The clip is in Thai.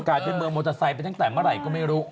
กลายเป็นเมืองมอเตอร์ไซค์ไปตั้งแต่เมื่อไหร่ก็ไม่รู้